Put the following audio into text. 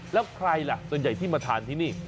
แล้วใครล่ะส่วนใหญ่ที่มาทานที่นี่